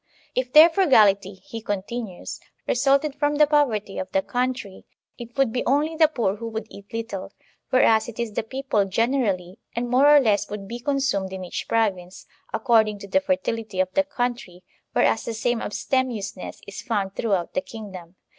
If their frugality,* he continues, •resulted from the poverty of the country, it would be only the poor who would eat little, whereas it is the people generally; and more or less would be consumed in each province, according to the fertility of the country, whereas the same abstem iousness is found throughout the kingdom.